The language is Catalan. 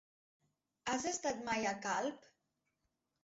Has estat mai a Calp?